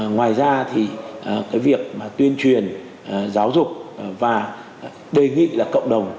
ngoài ra thì cái việc mà tuyên truyền giáo dục và đề nghị là cộng đồng